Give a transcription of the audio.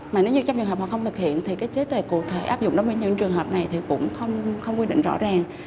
mà nếu như trong trường hợp mà không thực hiện thì cái chế tài cụ thể áp dụng đối với những trường hợp này thì cũng không quy định rõ ràng